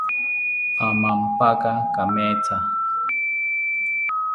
Amampaka kametha